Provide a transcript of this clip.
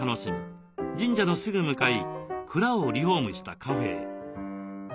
神社のすぐ向かい蔵をリフォームしたカフェへ。